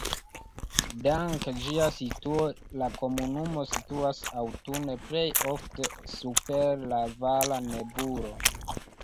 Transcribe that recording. Dank ĝia situo la komunumo situas aŭtune plej ofte super la vala nebulo.